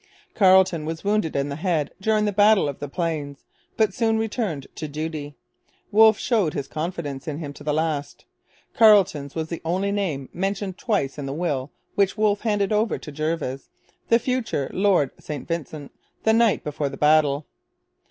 Carleton was wounded in the head during the Battle of the Plains; but soon returned to duty. Wolfe showed his confidence in him to the last. Carleton's was the only name mentioned twice in the will which Wolfe handed over to Jervis, the future Lord St Vincent, the night before the battle.